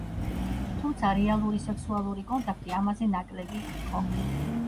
თუმცა რეალური სექსუალური კონტაქტი ამაზე ნაკლები იყო.